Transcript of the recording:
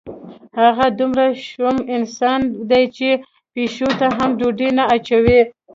هغه دومره شوم انسان دی چې پیشو ته هم ډوډۍ نه اچوي.